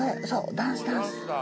ダンスダンス！